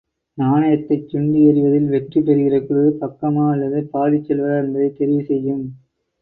நாணயத்தைச் சுண்டி எறிவதில் வெற்றி பெறுகிற குழு, பக்கமா அல்லது பாடிச் செல்வதா என்பதை தெரிவு செய்யும்.